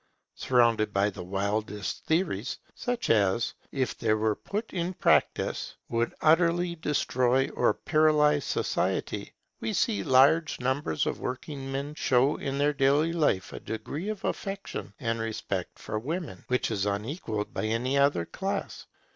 Surrounded by the wildest theories, such as, if they were put in practice, would utterly destroy or paralyse society, we see large numbers of working men showing in their daily life a degree of affection and respect for women, which is unequalled by any other class.